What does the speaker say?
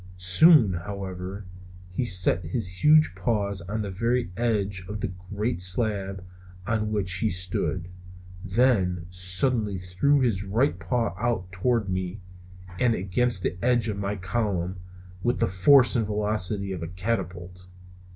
Soon, however, he set his huge paws on the very edge of the great slab on which he stood, and then suddenly threw his right paw out toward me and against the edge of my column with the force and velocity of a catapult!